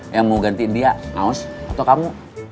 yang mau gantiin dia naus atau kamu